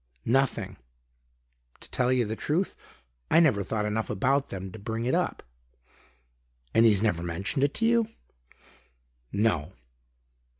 "Nothing. To tell you the truth I never thought enough about them to bring it up. "And he's never mentioned it to you." "No."